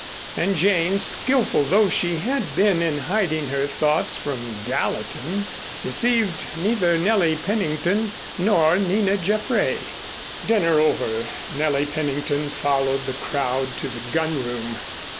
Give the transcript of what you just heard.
And Jane, skillful though she had been in hiding her thoughts from Gallatin, deceived neither Nellie Pennington nor Nina Jaffray. Dinner over, Nellie Pennington followed the crowd to the gunroom.